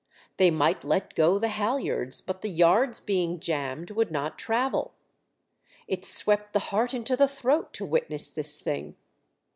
They might let go the halliards, but the yards being jammed would not travel. It swept the heart into the throat to witness this thing